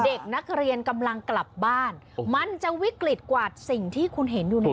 เด็กนักเรียนกำลังกลับบ้านมันจะวิกฤตกว่าสิ่งที่คุณเห็นอยู่ในนั้น